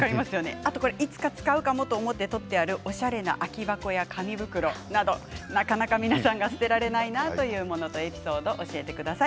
あといつか使うかもと思ってとってあるおしゃれな空き箱や紙袋などなかなか皆さんが捨てられないなというもののエピソードを教えてください。